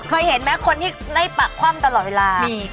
เคยเห็นไหมคนที่ได้ปักคว่ำตลอดเวลามี